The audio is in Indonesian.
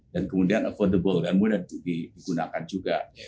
dan kemudian terjangkau dan mudah digunakan juga